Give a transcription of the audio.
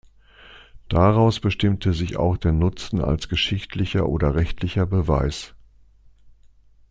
Daraus bestimmt sich auch der Nutzen als geschichtlicher oder rechtlicher Beweis.